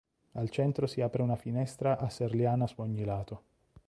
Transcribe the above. Al centro si apre una finestra a serliana su ogni lato.